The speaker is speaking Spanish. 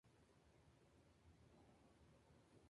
Las tres versiones son un spin-off de "Kao no nai tsuki".